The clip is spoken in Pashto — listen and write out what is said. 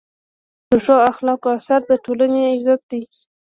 د ښو اخلاقو اثر د ټولنې عزت دی.